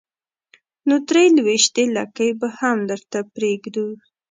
نو درې لوېشتې لکۍ به هم درته پرېږدو.